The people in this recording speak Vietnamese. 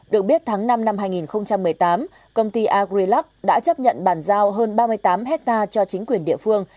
được biết tháng năm năm hai nghìn một mươi tám công ty agrilac đã chấp nhận bàn giao hơn ba mươi tám hectare cho chính quyền địa phương